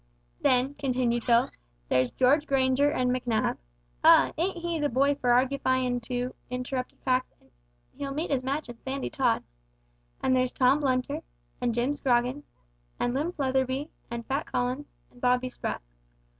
"Then," continued Phil, "there's George Granger and Macnab " "Ah! ain't he the boy for argufyin' too?" interrupted Pax, "and he'll meet his match in Sandy Tod. And there's Tom Blunter " "And Jim Scroggins " "An' Limp Letherby " "An' Fat Collins " "An' Bobby Sprat.